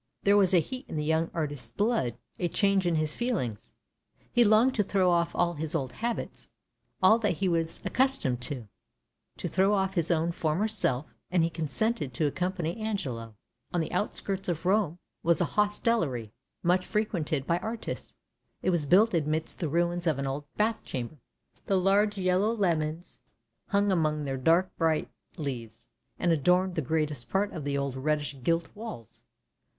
There was a heat in the young artist's blood, a change in his feelings; he longed to throw off all his old habits, all that he was accustomed to — to throw off his own former self — and he consented to accompany Angelo. On the outskirts of Rome was a hostelry much frequented by artists. It was built amidst the ruins of an old bath chamber; the large yellow lemons hung among their dark bright leaves, and adorned the greatest part of the old reddish gilt walls.